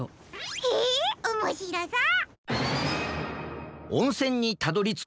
へえおもしろそう！